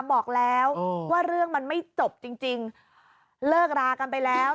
บอกแล้วว่าเรื่องมันไม่จบจริงจริงเลิกรากันไปแล้ว